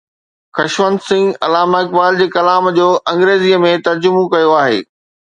خشونت سنگهه علامه اقبال جي ڪلام جو انگريزيءَ ۾ ترجمو ڪيو آهي